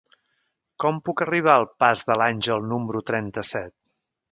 Com puc arribar al pas de l'Àngel número trenta-set?